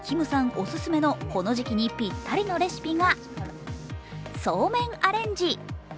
オススメの、この時期にぴったりのレシピがそうめんアレンジ。